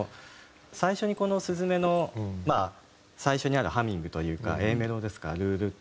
最初にこの『すずめ』のまあ最初にあるハミングというかＡメロですか「ル・ル」っていう。